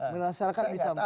masyarakat bisa menilai